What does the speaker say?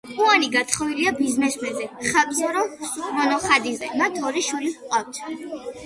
პუანი გათხოვილია ბიზნესმენზე ხაპსორო სუკმონოხადიზე, მათ ორი შვილი ჰყავთ.